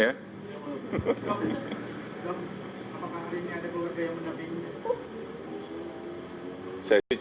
apakah hari ini ada pekerja yang mendampingi ya